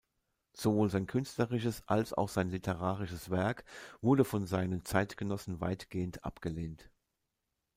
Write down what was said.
Sowohl sein künstlerisches als auch sein literarisches Werk wurde von seinen Zeitgenossen weitgehend abgelehnt.